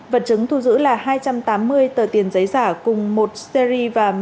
vật chứng thu giữ là hai trăm tám mươi tờ tiền giấy giả cùng một seri và mẹ